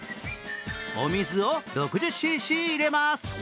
お水を６０ＣＣ入れます。